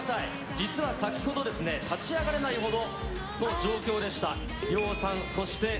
実は先ほどですね、立ち上がれないほどの状況でした。